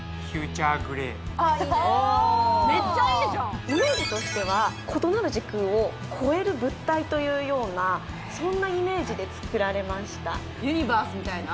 あっいいねめっちゃいいじゃん・イメージとしては異なる時空を超える物体というようなそんなイメージで作られましたユニバースみたいな？